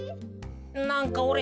なんかおれ